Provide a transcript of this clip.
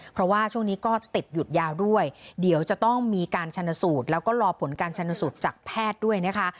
เพราะว่าช่วงนี้ก็ติดหยุดยาวด้วยเดี๋ยวจะต้องมีการชนสูตรแล้วก็รอผลการชนสูตรจากแพทย์ด้วยนะคะ